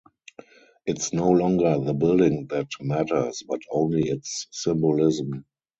It's no longer the building that matters, but only its symbolism.